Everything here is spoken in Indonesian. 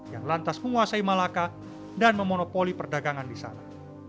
yang lantas menguasai malaka dan memonopoli perdagangan di sana